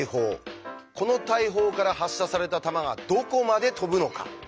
この大砲から発射された弾がどこまで飛ぶのか。